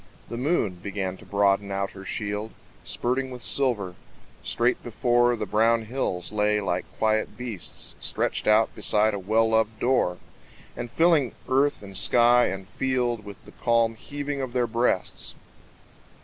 The moon Began to broaden out her shield, Spurting with silver. Straight before The brown hills lay like quiet beasts Stretched out beside a well loved door, And filling earth and sky and field With the calm heaving of their breasts.